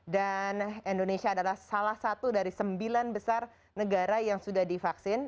dan indonesia adalah salah satu dari sembilan besar negara yang sudah divaksin